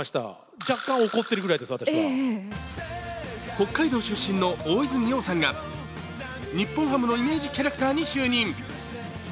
北海道出身の大泉洋さんが日本ハムのイメージキャラクターに就任。